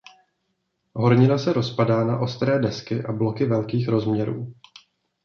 Hornina se rozpadá na ostré desky a bloky velkých rozměrů.